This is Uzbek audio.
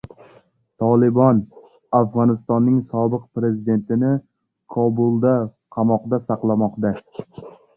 "Tolibon" Afg‘onistonning sobiq prezidentini Kobulda qamoqda saqlamoqda